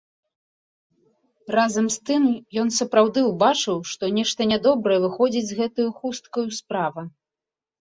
Разам з тым ён сапраўды ўбачыў, што нешта нядобрая выходзіць з гэтаю хусткаю справа.